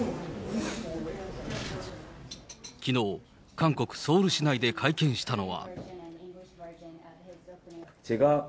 きのう、韓国・ソウル市内で会見したのは。